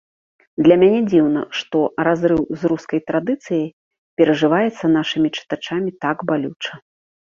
Для мяне дзіўна, што разрыў з рускай традыцыяй перажываецца нашымі чытачамі так балюча.